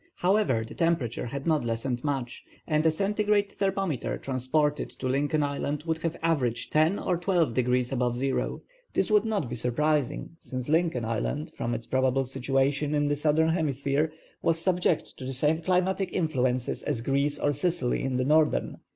However, the temperature had not lessened much, and a centigrade thermometer transported to Lincoln Island would have averaged 10° or 12° above zero. This would not be surprising, since Lincoln Island, from its probable situation in the Southern Hemisphere, was subject to the same climatic influences as Greece or Sicily in the Northern.